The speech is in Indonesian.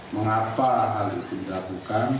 mengapa hal itu dilakukan